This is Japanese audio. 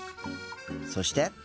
そして。